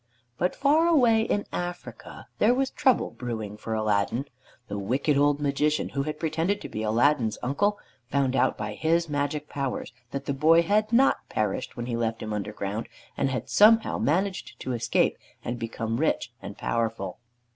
But far away in Africa there was trouble brewing for Aladdin. The wicked old Magician who had pretended to be Aladdin's uncle found out by his magic powers that the boy had not perished when he left him underground, but had somehow managed to escape and become rich and powerful.